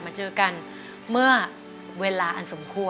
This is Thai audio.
สีหน้าร้องได้หรือว่าร้องผิดครับ